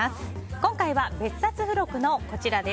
今回は別冊付録のこちらです。